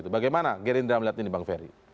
bagaimana gerindra melihat ini bang ferry